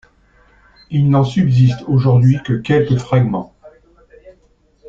Il n'en subsiste aujourd'hui que quelques fragments.